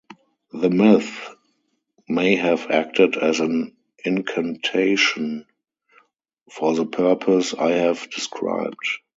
The myth may have acted as an incantation for the purpose I have described.